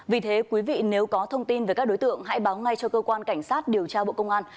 vì thế quý vị nếu có thông tin về các đối tượng hãy báo ngay cho cơ quan cảnh sát điều tra bộ công an